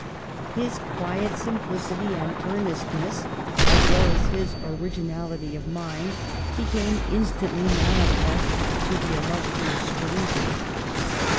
His quiet simplicity and earnestness, as well as his originality of mind, became instantly manifest to the illustrious stran ger.